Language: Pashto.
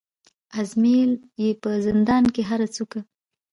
آزمېیل یې په زندان کي هره څوکه